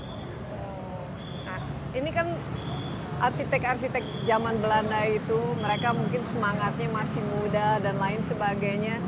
nah ini kan arsitek arsitek zaman belanda itu mereka mungkin semangatnya masih muda dan lain sebagainya